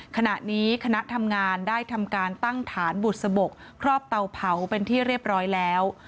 ขณะนี้คณะทำงานได้ทำการตั้งฐานบุษบกครอบเตาเผาเป็นที่เรียบร้อยแล้ว